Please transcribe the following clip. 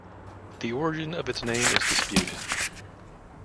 The origin of its name is disputed.